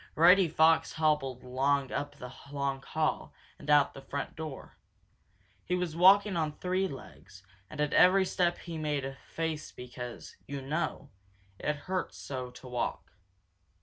Reddy Fox hobbled along up the long hall and out the front door. He was walking on three legs, and at every step he made a face because, you know, it hurt so to walk.